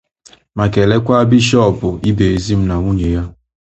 ma kelekwa Bishọọpụ Ibezim na nwunye ya